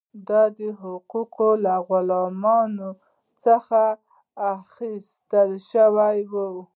دا حقوق له غلامانو څخه اخیستل شوي وو.